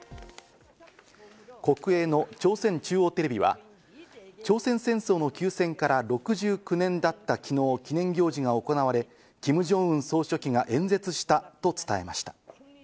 国営の朝鮮中央テレビは朝鮮戦争の休戦から６９年だった昨日、記念行事が行われ、キム・ジョンウン総書記が演説したと伝えました。